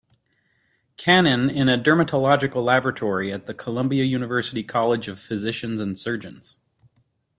Cannon in a dermatological laboratory at the Columbia University College of Physicians and Surgeons.